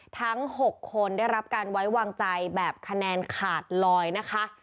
ทั้ง๖คนได้รับการไว้วางใจแบบคะแนนขาดลอยนะคะ